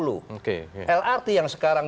oke lrt yang sekarang